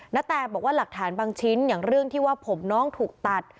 นาแตบอกว่าหลักฐานบางชิ้นอย่างเรื่องที่ว่าผมน้องถูกตัด